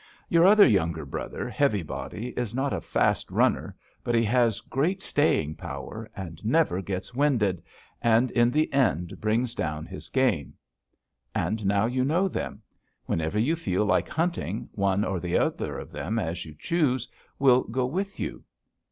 Your other younger brother, Heavy Body, is not a fast runner, but he has great staying power, never gets winded, and in the end brings down his game. And now you know them. Whenever you feel like hunting, one or the other of them, as you choose, will go with you.'